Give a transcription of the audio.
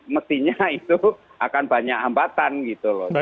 mestinya itu akan banyak hambatan gitu loh